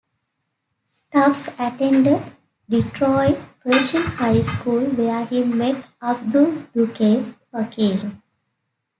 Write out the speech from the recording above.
Stubbs attended Detroit Pershing High School, where he met Abdul "Duke" Fakir.